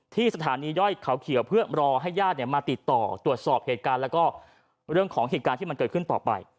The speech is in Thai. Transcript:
ที่สถานีย่อยเขาเขียวเพื่อรอให้ญาติมาติดต่อตรวจสอบเหตุการณ์แล้วก็เรื่องของเหตุการณ์ที่มันเกิดขึ้นต่อไป